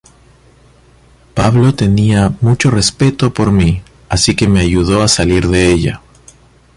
Pablo tenía mucho respeto por mí, así que me ayudó a salir de ella.